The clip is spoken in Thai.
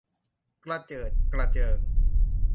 กระเจิดกระเจิง